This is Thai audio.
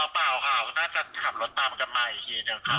เปล่าค่ะน่าจะขับรถตามกันมาอีกทีหนึ่งค่ะ